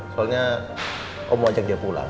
soalnya kamu mau ajak dia pulang